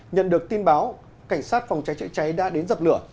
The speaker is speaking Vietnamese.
nhận được tin báo cảnh sát phòng cháy chữa cháy đã đến dập lửa